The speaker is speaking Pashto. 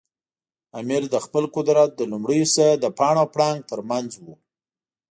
امیر له خپل قدرت له لومړیو څخه د پاڼ او پړانګ ترمنځ و.